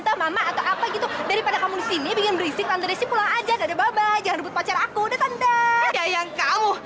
jadi pada kamu sini bikin berisik